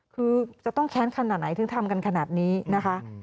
คือจะต้องแค้นขนาดไหนถึงทำกันขนาดนี้นะคะ